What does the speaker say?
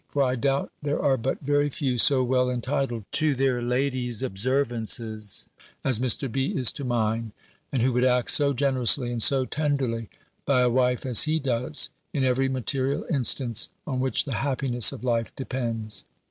For, I doubt, there are but very few so well entitled to their ladies' observances as Mr. B. is to mine, and who would act so generously and so tenderly by a wife as he does, in every material instance on which the happiness of life depends.